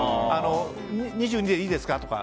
２２度でいいですか？とか。